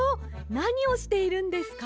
なにをしているんですか？